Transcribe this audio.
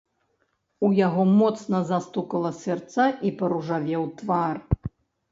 У яго моцна застукала сэрца і паружавеў твар.